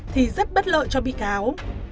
thì rất bất lợi cho bị cáo